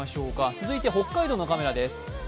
続いて北海道のカメラです。